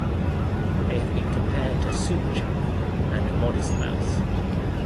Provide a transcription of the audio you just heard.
They have been compared to Superchunk and Modest Mouse.